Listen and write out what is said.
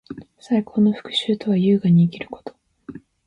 最高の復讐とは，優雅に生きること。